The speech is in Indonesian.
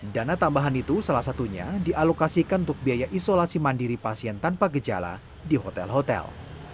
dana tambahan itu salah satunya dialokasikan untuk biaya isolasi mandiri pasien tanpa gejala di hotel hotel